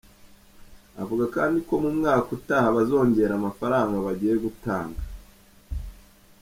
Avuga kandi ko mu mwaka utaha bazongera amafaranga bagiye gutanga.